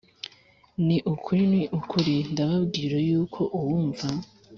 Ni ukuri ni ukuri ndababwira yuko uwumva